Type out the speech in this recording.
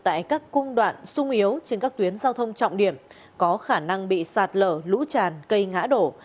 tại các cung đoạn sung yếu trên các tuyến giao thông trọng điểm có khả năng bị sạt lở lũ tràn cây ngã đổ